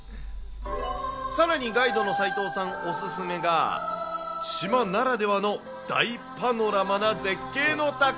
さらに、ガイドの齋藤さんお勧めが、島ならではの大パノラマな絶景の宝。